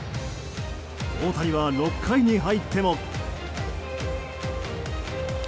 大谷は６回に入っても。